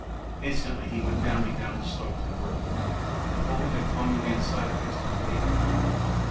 Instantly he went bounding down the slope to the road. The bullet had flung the man sideways to the pavement.